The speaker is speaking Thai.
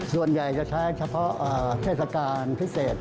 ส่วนใหญ่จะใช้เฉพาะเทศกาลพิเศษ